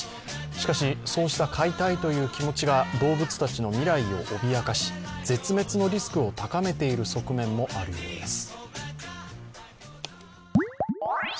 しかし、そうした飼いたいという気持ちが動物たちの未来を脅かし、絶滅のリスクを高めている側面もあるようです。